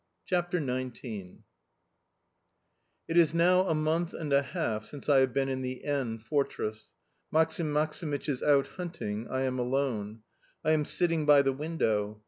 CHAPTER XIX IT is now a month and a half since I have been in the N Fortress. Maksim Maksimych is out hunting... I am alone. I am sitting by the window.